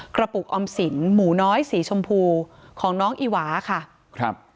กระปุกออมสินหมูน้อยสีชมพูของน้องอีหวาค่ะครับ